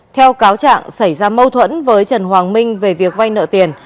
theo cáo trạng xảy ra mâu thuẫn với trần hoàng minh về việc vay nợ tiền